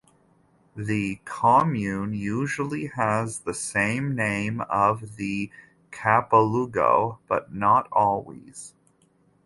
The "comune" usually has the same name of the "capoluogo", but not always.